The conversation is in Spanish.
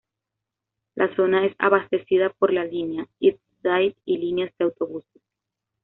La zona es abastecida por la línea East Side y líneas de autobuses.